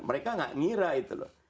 mereka nggak ngira itu loh